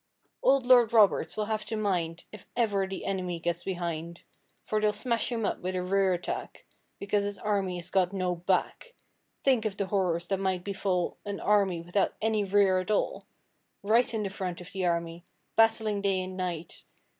Old Lord Roberts will have to mind If ever the enemy get behind; For they'll smash him up with a rear attack, Because his army has got no back! Think of the horrors that might befall An army without any rear at all! Right in the front of the army, Battling day and night!